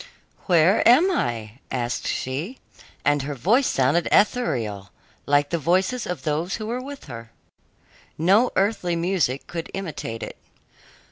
"Where am I?" asked she, and her voice sounded ethereal, like the voices of those who were with her. No earthly music could imitate it.